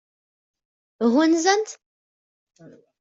Ɣunzan-t?